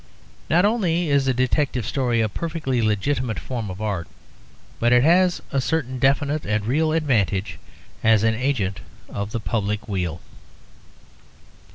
Not only is a detective story a perfectly legitimate form of art, but it has certain definite and real advantages as an agent of the public weal.